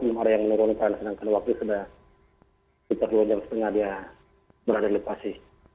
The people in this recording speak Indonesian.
belum ada yang menurunkan sedangkan waktu sudah sekitar dua jam setengah dia berada di lokasi